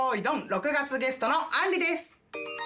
６がつゲストのあんりです。